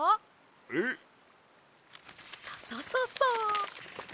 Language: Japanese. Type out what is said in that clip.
えっ？ササササッ。